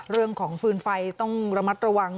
เรื่องของฟืนไฟต้องระมัดระวัง